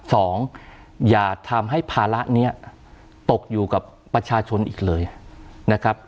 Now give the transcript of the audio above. อย่าทำให้ภาระเนี้ยตกอยู่กับประชาชนอีกเลยนะครับ